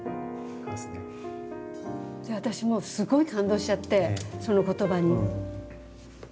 で私もうすごい感動しちゃってその言葉に。